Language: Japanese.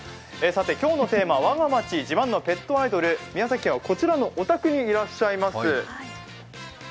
今日のテーマ、「我が町自慢のペットアイドル」、宮崎県は、こちらのお宅にいらっしゃいます。